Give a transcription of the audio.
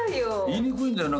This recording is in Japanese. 言いにくいんだよ。